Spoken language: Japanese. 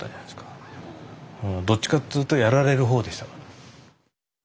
どっちかっつうとやられる方でしたから。